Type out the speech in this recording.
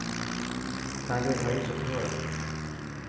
تايون ڀائي سٺو هي.